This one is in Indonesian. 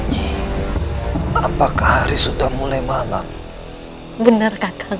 kita tidak bisa jauhkan jalan baru dari sekarang